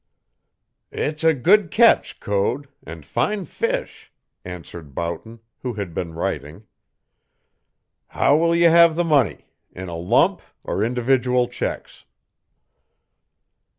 "It's a good catch, Code, and fine fish," answered Boughton, who had been writing. "How will you have the money in a lump or individual checks?"